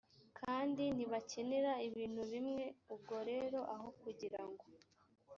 kandi ntibakenera ibintu bimwe ubwo rero aho kugira ngo